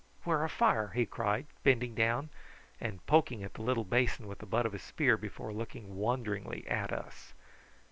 whar a fire?" he cried, bending down and poking at the little basin with the butt of his spear before looking wonderingly at us.